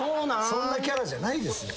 そんなキャラじゃないですよ。